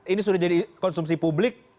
ini sudah jadi konsumsi publik